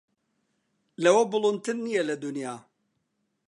لەوە بوڵەندتر نییە لە دونیا